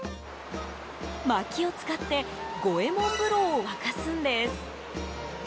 まきを使って五右衛門風呂を沸かすんです。